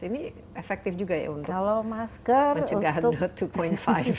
ini efektif juga ya untuk mencegah dua lima